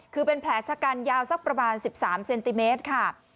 คือเป็นแผลชะกันยาวสักประมาณ๑๓เซนติเมตรค่ะ